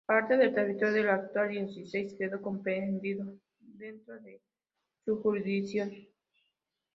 Parte del territorio de la actual diócesis quedó comprendido dentro de su jurisdicción.